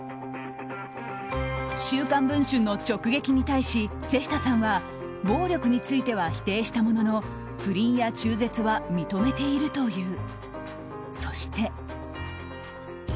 「週刊文春」の直撃に対し瀬下さんは暴力については否定したものの不倫や中絶は認めているという。